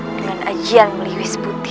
dengan ajian melihuis putih